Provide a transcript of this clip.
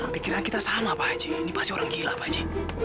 pikiran kita sama pak haji ini pasti orang gila pak haji